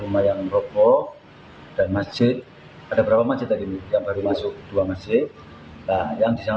rumah yang rokok dan masjid ada berapa masjid tadi yang baru masuk dua masjid yang bisa